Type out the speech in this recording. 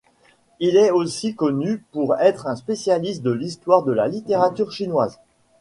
Il est aussi connu pour être un spécialiste de l'histoire de la littérature chinoise.